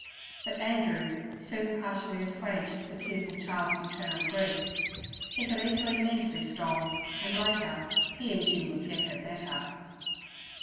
But Andrew soon partially assuaged the tearful child's maternal grief; he could easily mend this doll, and later he and Jim would get her a better.